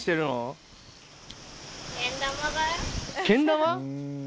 けん玉！？